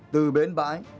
từ bến bãi